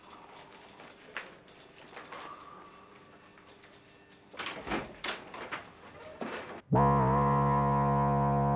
kita mungkin belum bisa j pk di abencana